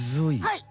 はい！